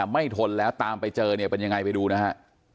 ไม่ทนแล้วตามไปเจอเป็นยังไงไปดูนะฮะ